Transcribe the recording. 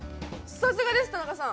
さすがです、田中さん。